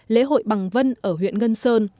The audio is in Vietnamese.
lễ hội bằng vân ở huyện ngân sơn